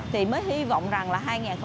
thì mới hy vọng rằng là